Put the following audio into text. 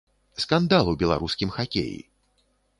Скандал у беларускім хакеі.